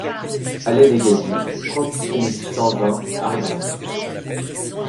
Allée des Cailloux, trente-six mille cent vingt Ardentes